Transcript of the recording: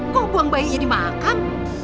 kok buang bayinya di makam